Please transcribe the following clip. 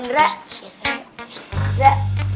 geseran dikit ya